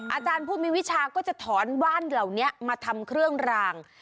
อาจารย์ผู้มีวิชาก็จะถอนว่านเหล่านี้มาทำเครื่องราง